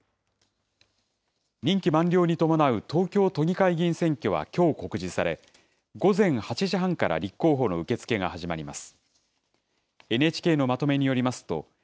任期満了に伴う東京都議会議員選挙はきょう告示され、午前８時半から立候補の受け付けが始まります。